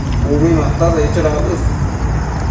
Ubi mataseccho dauës